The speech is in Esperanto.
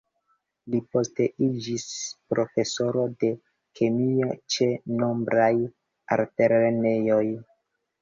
Li poste iĝis profesoro de kemio ĉe nombraj altlernejoj.